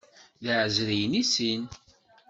D iɛeẓriyen i sin.